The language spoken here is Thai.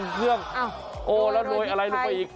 ส่งเคืองโอ้ยนวยอะไรละกันอีก